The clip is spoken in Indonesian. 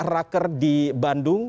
raker di bandung